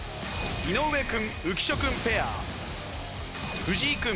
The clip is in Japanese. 井上君浮所君ペア藤井君